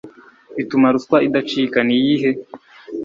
bituma ruswa idacika niyihe